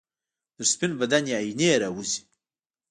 تر سپین بدن یې آئینې راوځي